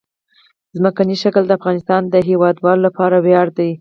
ځمکنی شکل د افغانستان د هیوادوالو لپاره ویاړ دی.